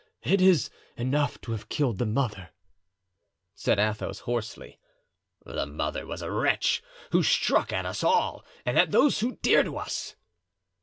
"It is enough to have killed the mother," said Athos, hoarsely. "The mother was a wretch, who struck at us all and at those dear to us."